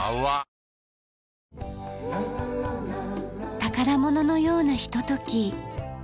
宝物のようなひととき。